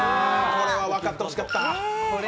これは分かってほしかった。